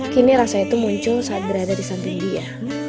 kini rasa itu muncul saat berada di samping dia